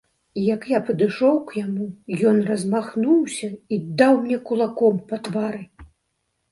Як я падышоў к яму, ён размахнуўся і даў мне кулаком па твары.